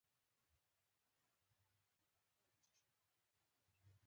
په جنت کې خلک له خپلو رښتینو دوستانو او کورنیو سره یوځای ژوند کوي.